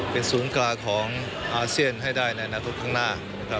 เป็นศูนย์กลางอาเซียนให้ได้ในอนาคตข้างหน้า